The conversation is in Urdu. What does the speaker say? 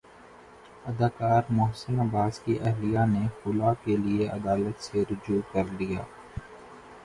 اداکار محسن عباس کی اہلیہ نے خلع کے لیے عدالت سےرجوع کر لیا